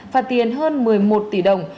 và tiền hơn một mươi một tỷ đồng